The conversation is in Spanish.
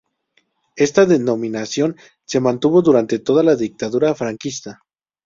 Esta denominación se mantuvo durante toda la dictadura franquista.